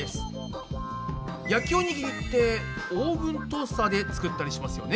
焼きおにぎりってオーブントースターで作ったりしますよね。